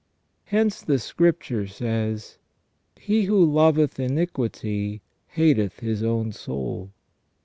Hence the Scripture says :" He who loveth iniquity hateth his own soul